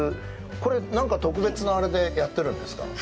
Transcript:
これ、何か特別なあれでやってるんですか。